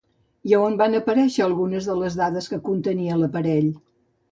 I a on van aparèixer algunes de les dades que contenia l'aparell?